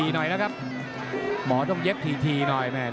หมอต้องเย็บทีหน่อยนะครับ